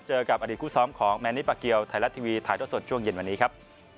เจอกับอดีตคู่ซ้อมของแมนนิปาเกียวไทยรัฐทีวีถ่ายท่อสดช่วงเย็นวันนี้ครับ